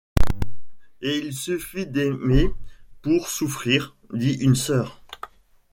Et il suffit d’aymer pour souffrir ? dit une sœur.